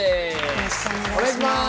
よろしくお願いします。